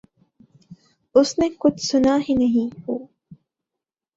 اس نے کچھ سنا ہی نہیں ہو۔